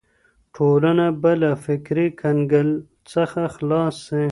ټولنه به له فکري کنګل څخه خلاصه سي.